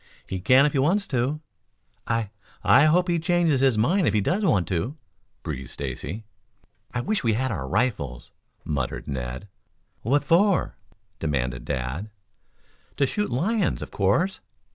"He can if he wants to." "I I hope he changes his mind if he does want to," breathed Stacy. "I wish we had our rifles," muttered Ned. "What for?" demanded Dad. "To shoot lions, of course."